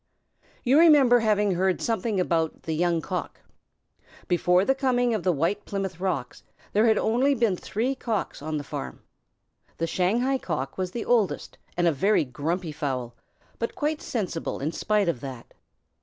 You remember having heard something about the Young Cock. Before the coming of the White Plymouth Rocks, there had been only three Cocks on the farm. The Shanghai Cock was the oldest, and a very grumpy fowl, but quite sensible in spite of that.